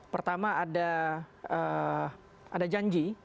pertama ada janji